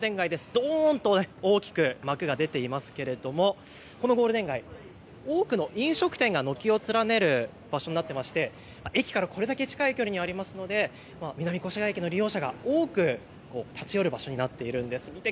どんと大きく幕が出ていますがこのゴールデン街、多くの飲食店が軒を連ねる場所になっていまして駅からこれだけ近い距離にありますので南越谷駅の利用者が多く立ち寄る場所になっているです。